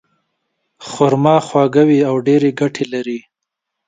خرما خواږه وي او ډېرې ګټې لري.